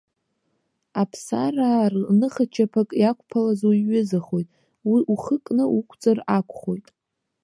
Аԥсараа рныхачаԥак иақәԥалаз уиҩызахоит, ухы кны уқәҵыр акәхоит.